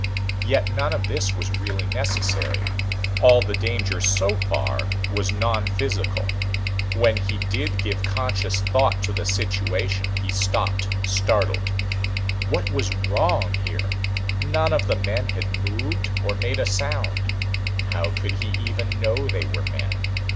Yet none of this was really necessary. All the danger so far was nonphysical. When he did give conscious thought to the situation he stopped, startled. What was wrong here? None of the men had moved or made a sound. How could he even know they were men?